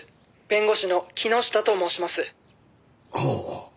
弁護士の木下と申します」はあ。